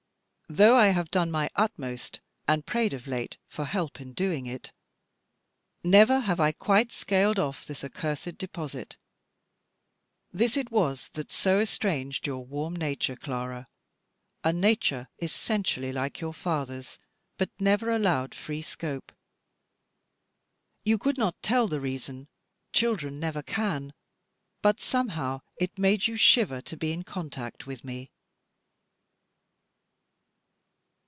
Though I have done my utmost, and prayed of late for help in doing it, never have I quite scaled off this accursed deposit. This it was that so estranged your warm nature, Clara; a nature essentially like your father's, but never allowed free scope. You could not tell the reason, children never can; but somehow it made you shiver to be in contact with me.